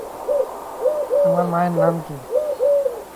বইটা নিয়ে যতটা আলোচনা হওয়ার দরকার ছিল, ততটা হয়নি মনে হয়েছে।